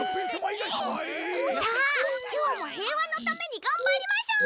さあきょうもへいわのためにがんばりましょう。